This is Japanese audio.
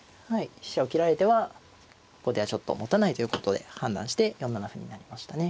飛車を切られては後手はちょっともたないということで判断して４七歩になりましたね。